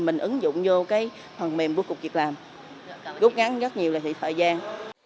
mình ứng dụng vô phần mềm bước cục việc làm rút ngắn rất nhiều thời gian